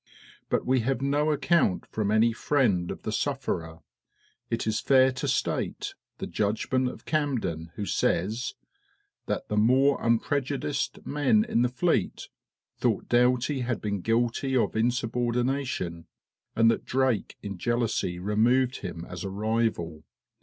But we have no account from any friend of the sufferer. It is fair to state the judgment of Camden, who says, "that the more unprejudiced men in the fleet thought Doughty had been guilty of insubordination, and that Drake in jealousy removed him as a rival.